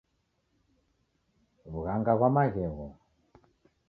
Wughanga ghwa maghegho